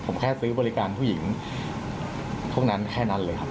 ผมแค่ซื้อบริการผู้หญิงพวกนั้นแค่นั้นเลยครับ